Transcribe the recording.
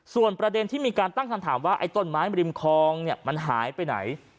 ส่วนประเด็นที่มีการตั้งคำถามว่าไอ้ต้นไม้ริมคลองเนี่ยมันหายไปไหน